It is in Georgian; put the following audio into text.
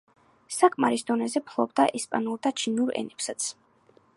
საკმარის დონეზე ფლობდა ესპანურ და ჩინურ ენებსაც.